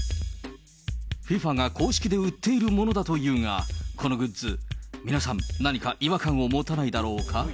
ＦＩＦＡが公式で売っているものだというが、このグッズ、皆さん、何か違和感を持たないだろうか。